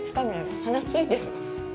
鼻、ついてる？